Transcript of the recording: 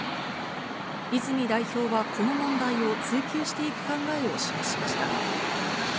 泉代表はこの問題を追及していく考えを示しました。